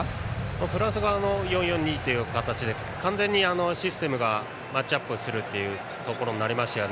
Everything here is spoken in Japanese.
フランス側の４−４−２という形で完全にシステムがマッチアップするというところになりましたよね。